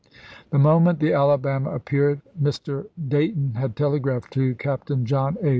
The moment the Alabama appeared Mr. Day ton had telegraphed to Captain John A.